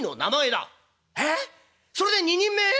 「えっ？それで二人前？